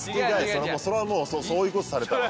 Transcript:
それはもうそういうことされたら。